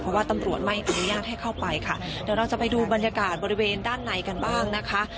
เพราะว่าตำรวจไม่อนุญาตให้เข้าไปค่ะเดี๋ยวเราจะไปดูบรรยากาศบริเวณด้านในกันบ้างนะคะ